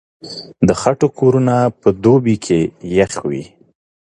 د خټو کورونه په دوبي کې يخ وي.